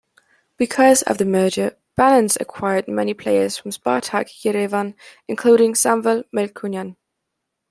Because of the merger, Banants acquired many players from Spartak Yerevan, including Samvel Melkonyan.